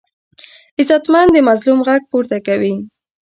غیرتمند د مظلوم غږ پورته کوي